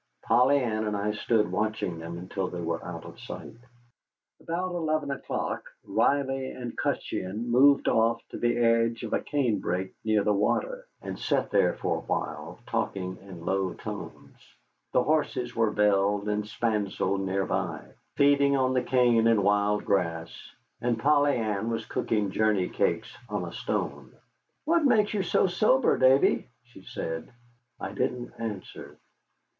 Polly Ann and I stood watching them until they were out of sight. About eleven o'clock Riley and Cutcheon moved off to the edge of a cane brake near the water, and sat there for a while, talking in low tones. The horses were belled and spancelled near by, feeding on the cane and wild grass, and Polly Ann was cooking journey cakes on a stone. "What makes you so sober, Davy?" she said. I didn't answer.